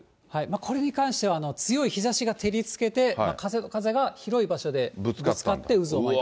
これに関しては強い日ざしが照りつけて、風と風が広い場所でぶつかって渦を巻く。